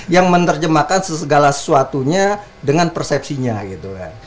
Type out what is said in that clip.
yang menerjemahkan segala sesuatunya dengan persepsinya gitu kan